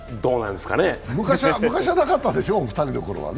昔はなかったでしょう、お二人のころは。